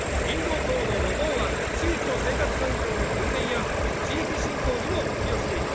林道等の路網は、地域の生活環境の改善や地域振興にも寄与しています。